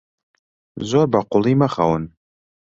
زۆر بەقووڵی مەخەون.